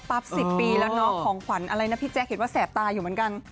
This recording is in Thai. ๑๐ปีแล้วเนาะของขวัญอะไรนะพี่แจ๊คเห็นว่าแสบตาอยู่เหมือนกัน